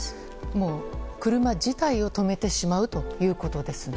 車自体を止めてしまうということですね。